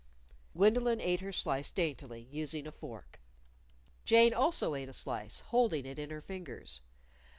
Gwendolyn ate her slice daintily, using a fork. Jane also ate a slice holding it in her fingers.